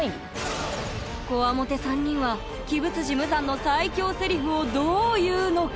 コワモテ３人は鬼舞無惨の最恐セリフをどう言うのか？